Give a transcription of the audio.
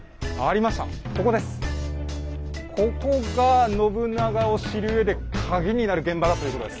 ここが信長を知るうえでカギになる現場だということです。